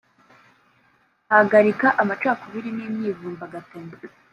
agahagarika amacakubiri n’imyivumbagatanyo